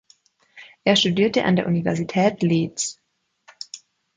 Er studierte an der Universität Leeds.